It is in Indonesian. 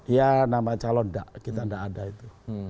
ya nama calon tak kita nggak ada itu